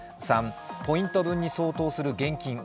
３、ポイント分に相当する現金